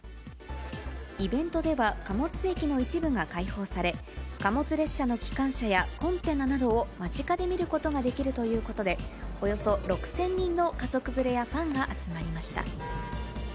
イベントでは貨物駅の一部が開放され、貨物列車の機関車やコンテナなどを間近で見ることができるということで、およそ６０００人の家族連れやファンが集まりました。